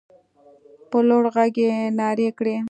په لوړ غږ يې نارې کړې.